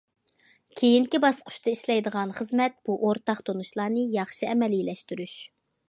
كېيىنكى باسقۇچتا ئىشلەيدىغان خىزمەت بۇ ئورتاق تونۇشلارنى ياخشى ئەمەلىيلەشتۈرۈش.